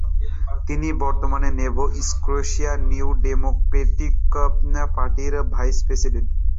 তিনি বর্তমানে Nova Scotia New Democratic পার্টির ভাইস প্রেসিডেন্ট।